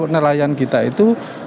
nelayan kita itu